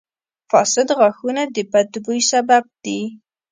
• فاسد غاښونه د بد بوي سبب دي.